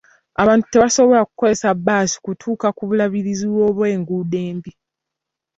Abantu tebasobola kukozesa bbaasi kutuuka ku bulabirizi olw'enguudo embi .